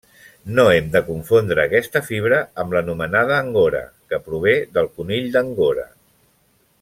No hem de confondre aquesta fibra amb l'anomenada angora, que prové del conill d'angora.